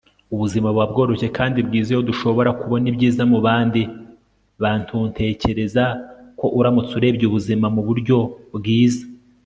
ubuzima buba bworoshye kandi bwiza iyo dushobora kubona ibyiza mu bandi bantuntekereza ko uramutse urebye ubuzima mu buryo bwiza